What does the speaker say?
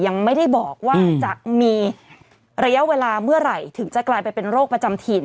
ยังไม่ได้บอกว่าจะมีระยะเวลาเมื่อไหร่ถึงจะกลายเป็นโรคประจำถิ่น